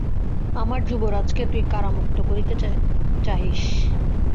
আমার যুবরাজকে তুই কারামুক্ত করিতে চাহিস।